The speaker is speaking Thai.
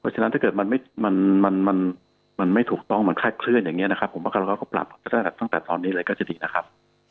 จัดการหลายชื่อของคนที่ไปลงทะเบียน๕๐๐๐อะไรแบบนี้ก็จะดีนะครับ